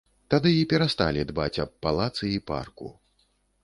Тады і перасталі дбаць аб палацы і парку.